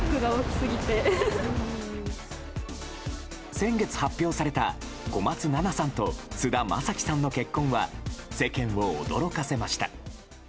先月、発表された小松菜奈さんと菅田将暉さんの結婚は世間を驚かせました。